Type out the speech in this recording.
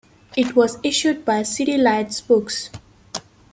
It was issued by City Lights Books.